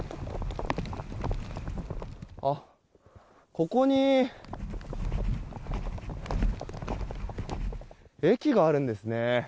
ここに駅があるんですね。